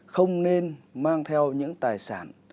không nên mang theo những tài sản